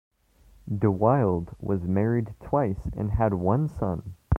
DeWilde was married twice and had one son.